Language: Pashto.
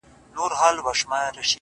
• ځم ورته را وړم ستوري په لپه كي ـ